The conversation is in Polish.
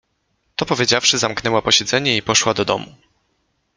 To powiedziawszy, zamknęła posiedzenie i poszła do domu.